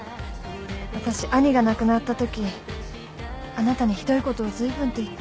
私兄が亡くなったときあなたにひどいことをずいぶんと言って。